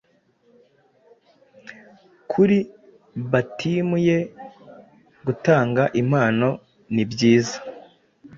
kuri Batiimu ye gutanga impano nibyiza,